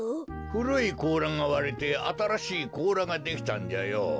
ふるいこうらがわれてあたらしいこうらができたんじゃよ。